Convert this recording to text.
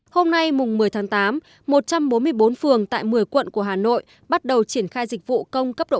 hôm nay một mươi tháng tám một trăm bốn mươi bốn phường tại một mươi quận của hà nội bắt đầu triển khai dịch vụ công cấp độ